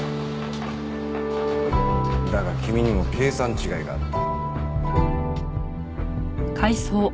だが君にも計算違いがあった。